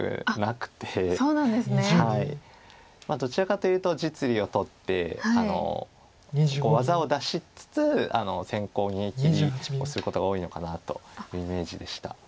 どちらかというと実利を取って技を出しつつ先行逃げきりをすることが多いのかなというイメージでした。